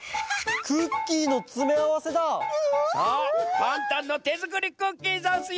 パンタンのてづくりクッキーざんすよ。